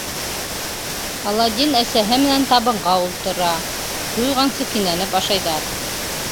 Аладдин әсәһе менән табынға ултыра, туйғансы кинәнеп ашайҙар.